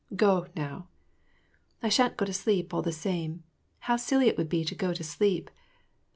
" GrO, now !"" I sha'n't go to sleep, all the same. How silly it would be to go to sleep